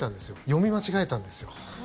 読み間違えたんですよ。